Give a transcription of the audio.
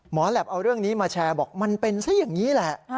แหลปเอาเรื่องนี้มาแชร์บอกมันเป็นซะอย่างนี้แหละ